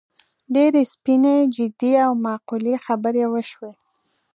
ډېرې سپینې، جدي او معقولې خبرې وشوې.